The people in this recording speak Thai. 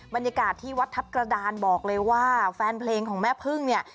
บรรยากาศที่วัดทัพกระดานบอกเลยว่าแฟนเพลงของแม่พึ่งเนี่ย